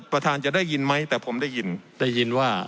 ประทานจะได้ยินไหมแต่ผมได้ยิน